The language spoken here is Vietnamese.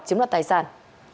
chiếm lập tài sản